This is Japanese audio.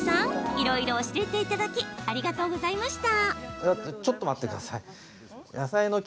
いろいろ教えていただきありがとうございました。